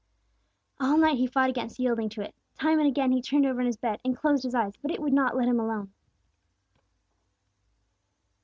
All night he fought against yielding to it. Time and again he turned over on his bed, and closed his eyes; but it would not let him alone.